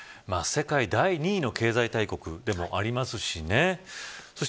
世界第２位の経済大国でもありますしね。